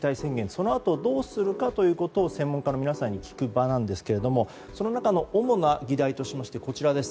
そのあと、どうするかということを専門家の皆さんに聞く場なんですがその中の主な議題としましてこちらです。